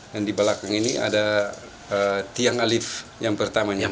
dan di belakang ini ada tiang alif yang pertamanya